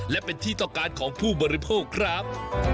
และเป็นที่ต้องการของผู้บริโภคครับ